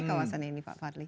kawasan ini pak fahmi